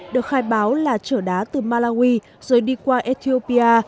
được khai báo là trở đá từ malawi rồi đi qua ethiopia